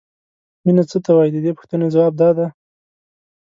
مینه څه ته وایي د دې پوښتنې ځواب دا دی.